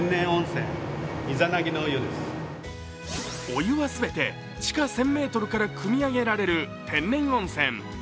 お湯はすべて地下１０００ｍからくみ上げられる天然温泉。